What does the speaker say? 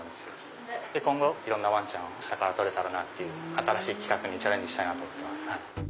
今後いろんなワンちゃんを下から撮れたらなって新しい企画にチャレンジしたいと思ってます。